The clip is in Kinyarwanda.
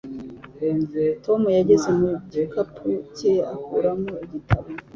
Tom yageze mu gikapu cye akuramo igitabo.